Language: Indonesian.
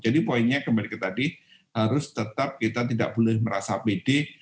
jadi poinnya kembali ke tadi harus tetap kita tidak boleh merasa pede